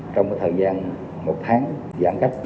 trong cái thời gian một tháng giãn cách